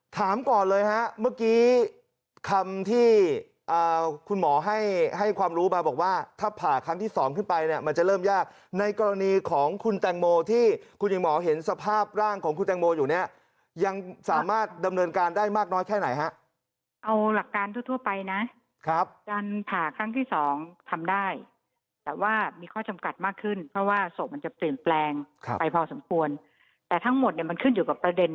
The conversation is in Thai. ถามก่อนเลยฮะเมื่อกี้คำที่เอ่อคุณหมอให้ให้ความรู้มาบอกว่าถ้าผ่าครั้งที่สองขึ้นไปเนี่ยมันจะเริ่มยากในกรณีของคุณแตงโมที่คุณหญิงหมอเห็นสภาพร่างของคุณแตงโมอยู่เนี่ยยังสามารถดำเนินการได้มากน้อยแค่ไหนฮะเอาหลักการทั่วไปนะครับจันผ่าครั้งที่สองทำได้แต่ว่ามีข้อจำกัดมากข